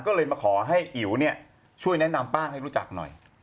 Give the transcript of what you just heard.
ก็เลยมาขอให้อิ๋วเนี่ยช่วยแนะนำป้างให้รู้จักหน่อย